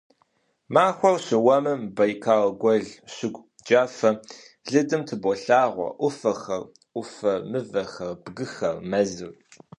Махуэр щыуэмым Байкал гуэл щыгу джафэ лыдым тыболъагъуэ Ӏуфэхэр, Ӏуфэ мывэхэр, бгыхэр, мэзыр.